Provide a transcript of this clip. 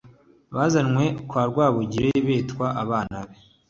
bazanywe kwa Rwabugili bitwa abana be